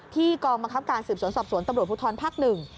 กองบังคับการสืบสวนสอบสวนตำรวจภูทรภาคหนึ่ง